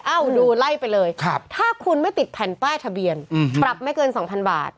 ดูไล่ไปเลยถ้าคุณไม่ติดแผ่นป้ายทะเบียนปรับไม่เกิน๒๐๐๐บาท